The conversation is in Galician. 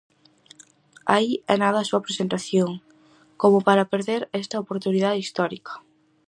Aí é nada a súa presentación, como para perder esta oportunidade histórica!